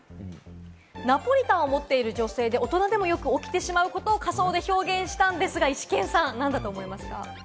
ナポリタンを持っている女性で、大人でもよく起きてしまうことを仮装で表現したんですが、イシケンさん、なんだと思いますか？